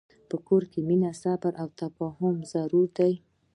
په کور کې مینه، صبر، او تفاهم ضرور دي.